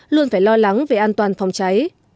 luôn phải lo lắng về an toàn phòng cháy